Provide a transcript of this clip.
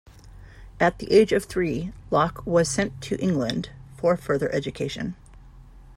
At the age of three, Locke was sent to England for further education.